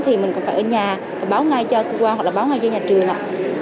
thì mình còn phải ở nhà báo ngay cho cơ quan hoặc là báo ngay cho nhà trường ạ